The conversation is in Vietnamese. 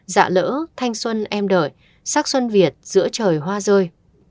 dạ lỡ thanh xuân em đợi sắc xuân việt giữa trời hoa rơi